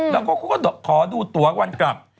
แล้วเขาก็ขอดูตัววันกลับ